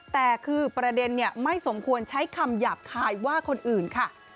แต่คือประเด็นไม่สมควรใช้คำหยาบคายว่าคนอื่นค่ะ